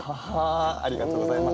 ありがとうございます。